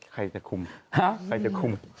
ใครจะคุม